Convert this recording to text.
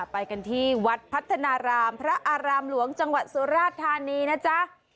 ไปกันที่วัดพัฒนารามพระอารามหลวงจังหวัดสุราชธานีนะจ๊ะ